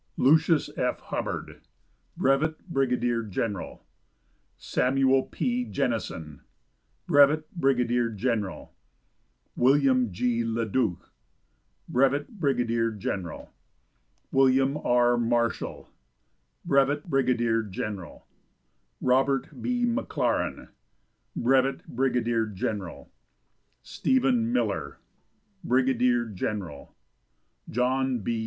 Lucius F. Hubbard, Brevet Brigadier General. Samuel P. Jennison, Brevet Brigadier General. William G. Le Duc, Brevet Brigadier General. William R. Marshall, Brevet Brigadier General. Robert B. McLaren, Brevet Brigadier General. Stephen Miller, Brigadier General. John B.